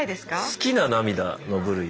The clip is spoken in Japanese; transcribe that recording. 好きな涙の部類ですね。